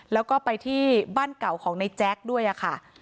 แล้วก็ไปที่บ้านเก่าของในแจ๊คด้วยค่ะ